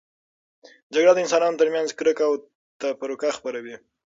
جګړه د انسانانو ترمنځ کرکه او تفرقه خپروي.